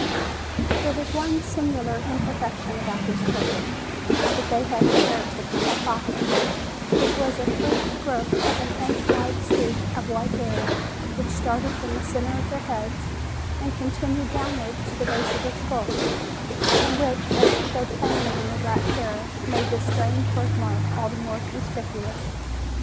"] There was one singular imperfection about these children, that they had inherited from their father, which was a freak growth of an inch wide streak of white hair which started from the center of their heads and continued downwards to the base of their skulls, and which as it showed plainly in their black hair made this strange birth mark all the more conspicuous.